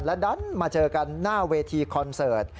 ดันมาเจอกันหน้าเวทีคอนเสิร์ต